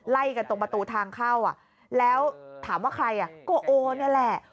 ไล่กันตรงประตูทางเข้าแล้วถามว่าใครอ่ะก็โอนี่แหละ